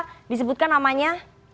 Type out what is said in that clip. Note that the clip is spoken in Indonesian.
siapa disebutkan namanya